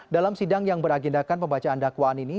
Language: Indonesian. dalam sidang yang beragendakan pembacaan dakwaan ini